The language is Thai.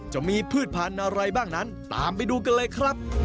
พืชพันธุ์อะไรบ้างนั้นตามไปดูกันเลยครับ